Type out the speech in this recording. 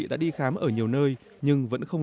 đã đi khám ở nhiều nơi nhưng vẫn không